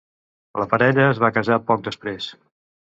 La parella es va casar poc després.